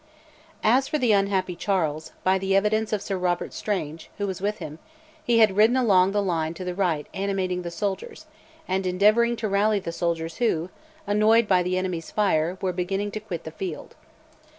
As for the unhappy Charles, by the evidence of Sir Robert Strange, who was with him, he had "ridden along the line to the right animating the soldiers," and "endeavoured to rally the soldiers, who, annoyed by the enemy's fire, were beginning to quit the field."